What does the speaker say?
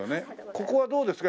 ここはどうですか？